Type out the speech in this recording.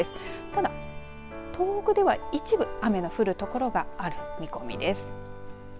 ただ、東北では一部雨の降る所がある見込みです。